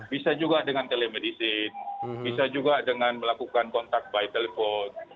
bisa juga dengan telemedicine bisa juga dengan melakukan kontak by telepon